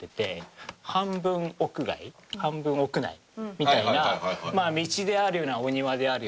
みたいな道であるようなお庭であるような。